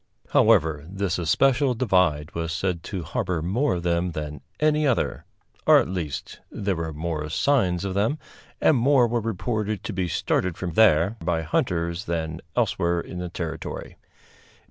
However, this especial divide was said to harbor more of them than any other; or, at least, there were more signs of them, and more were reported to be started from there by hunters than elsewhere in the territory.